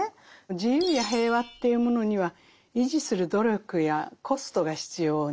自由や平和というものには維持する努力やコストが必要になりますね。